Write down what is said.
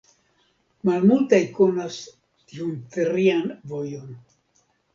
Malmultaj konas tiun trian vojon.